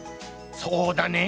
そうだね。